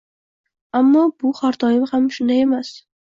ammo bu har doim ham shunday emas;